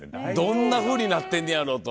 どんなふうになってんねやろと。